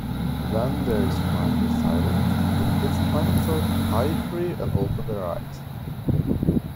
When there is finally silence, the kids find themselves tie-free and open their eyes.